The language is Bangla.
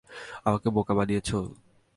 আমাকে বোকা বানিয়েছো?